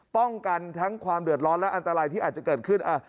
ป้องกันทั้งความเดือดร้อนและอันตรายที่อาจจะเกิดขึ้น